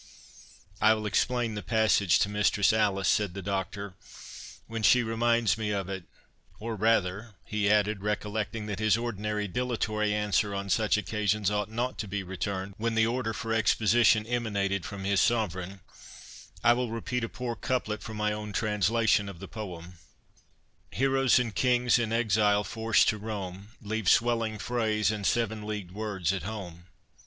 '" "I will explain the passage to Mistress Alice," said the Doctor, "when she reminds me of it—or rather," (he added, recollecting that his ordinary dilatory answer on such occasions ought not to be returned when the order for exposition emanated from his Sovereign,) "I will repeat a poor couplet from my own translation of the poem— 'Heroes and kings, in exile forced to roam. Leave swelling phrase and seven leagued words at home.